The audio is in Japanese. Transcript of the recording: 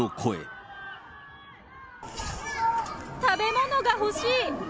食べ物が欲しい。